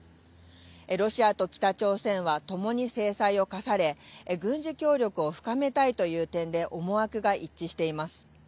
ロシアと北朝鮮はともに制裁を科され、軍事協力を深めたいという点で思惑が一致しています。